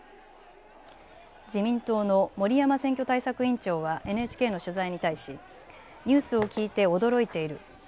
自民党の森山選挙対策委員長はＮＨＫの取材に対しニュースを聞いて驚いている。